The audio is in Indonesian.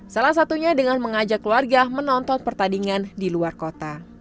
salah satunya dengan mengajak keluarga menonton pertandingan di luar kota